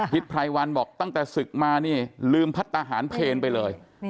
ไพรวันบอกตั้งแต่ศึกมานี่ลืมพัฒนาหารเพลไปเลย